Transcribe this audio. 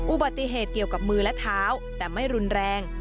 อุบัติเหตุเกี่ยวกับมือและเท้าแต่ไม่รุนแรง